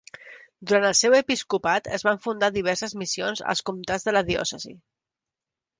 Durant el seu episcopat es van fundar diverses missions als comtats de la diòcesi.